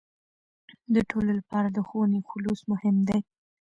د ټولو لپاره د ښوونې خلوص مهم دی.